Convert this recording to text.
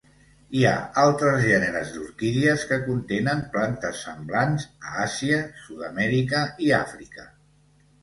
Hi ha altres gèneres d'orquídies que contenen plantes semblants a Àsia, Sud-amèrica i Àfrica.